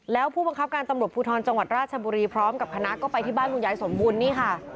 แล้วผู้บังคับการตำรวจภูทรจังหวัดราชบุรีพร้อมกับคณะก็ไปที่บ้านคุณยายสมบูรณนี่ค่ะ